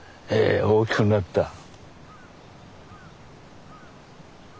ええ大きくなった。